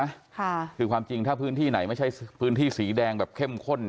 ค่ะคือความจริงถ้าพื้นที่ไหนไม่ใช่พื้นที่สีแดงแบบเข้มข้น